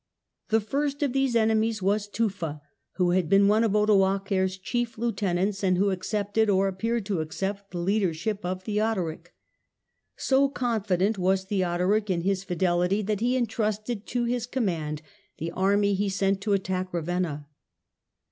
The first of these enemies was Tufa, who had been one of Odoacer's chief lieutenants and who accepted, or appeared to accept, the leadership of Theodoric. So confident was Theodoric in his fidelity that he entrusted to his command the army he sent to attack Kavenna.